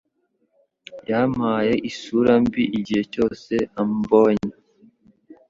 Yampaye isura mbi igihe cyose ambonye.